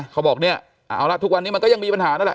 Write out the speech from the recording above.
เขาบอกเนี่ยเอาละทุกวันนี้มันก็ยังมีปัญหานั่นแหละ